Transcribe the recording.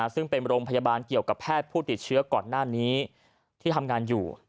ซึ่งเป็นโรงพยาบาลเกี่ยวกับแพทย์ผู้ติดเชื้อก่อนหน้านี้ที่ทำงานอยู่